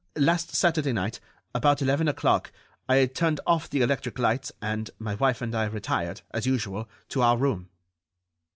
Last Saturday night, about eleven o'clock, I turned off the electric lights, and my wife and I retired, as usual, to our room."